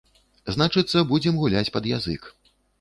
Значыцца, будзем гуляць пад язык.